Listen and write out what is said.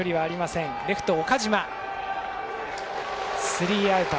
スリーアウト。